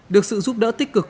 được sự giúp đỡ tích cực